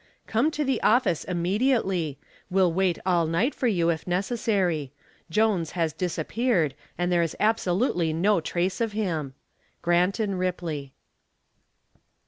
"Come to the office immediately. Will wait all night for you if necessary. Jones has disappeared and there is absolutely no trace of him." "Grant & Ripley."